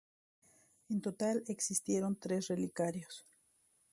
En total existieron tres relicarios.